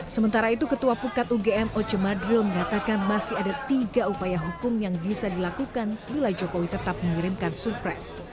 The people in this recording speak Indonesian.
sementara itu ketua pukat ugm oce madril mengatakan masih ada tiga upaya hukum yang bisa dilakukan bila jokowi tetap mengirimkan surpres